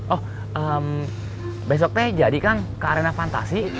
oh besoknya jadi kan ke arena fantasi